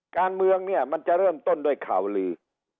การเมืองเนี่ยมันจะเริ่มต้นด้วยข่าวลือ